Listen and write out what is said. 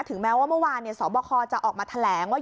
แม้ว่าเมื่อวานสบคจะออกมาแถลงว่า